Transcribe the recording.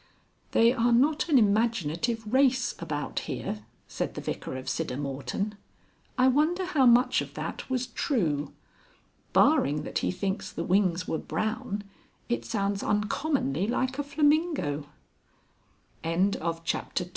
"They are not an imaginative race about here," said the Vicar of Siddermorton, "I wonder how much of that was true. Barring that he thinks the wings were brown it sounds uncommonly like a Flamingo." THE HUNTING OF THE ST